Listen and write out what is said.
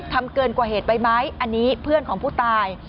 ทำเกินกว่าเหตุไปไหมอันนี้เพื่อนของผู้ตาย